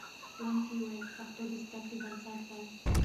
ښوونکي وویل چې پښتو د زده کړې بنسټ دی.